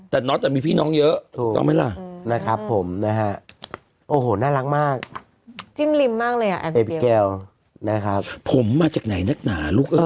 เด็กหนูไม่มีโอกาสให้ผมอย่างนี้หละงงมาก